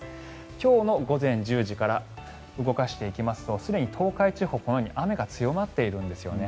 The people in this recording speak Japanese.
今日の午前１０時から動かしていきますとすでに東海地方はこのように雨が強まっているんですよね。